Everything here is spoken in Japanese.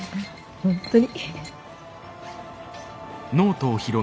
本当に。